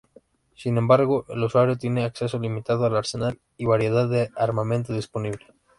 Sin embargo, el usuario tiene acceso limitado al arsenal y variedad de armamento disponible.